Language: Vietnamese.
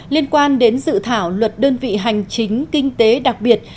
liên quan đến dự thảo luật đơn vị hành chính kinh tế đặc biệt